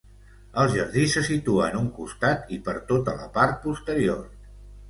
El jardí se situa en un costat i per tota la part posterior.